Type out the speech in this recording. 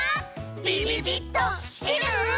ビビビっときてる？